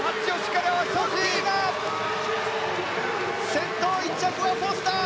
先頭１着がフォスター。